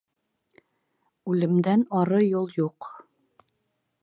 Үлемдән ары юл юҡ.